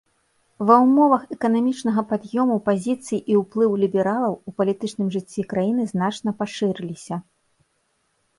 Ва ўмовах эканамічнага пад'ёму пазіцыі і ўплыў лібералаў у палітычным жыцці краіны значна пашырыліся.